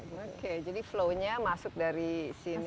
oke jadi flow nya masuk dari sini